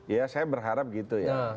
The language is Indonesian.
ya saya berharap gitu ya